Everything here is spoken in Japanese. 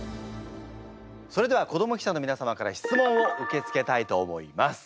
それでは子ども記者の皆様から質問を受け付けたいと思います。